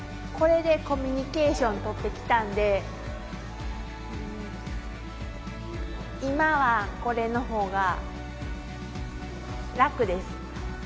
これでコミュニケーションとってきたんで今はこれの方が楽です。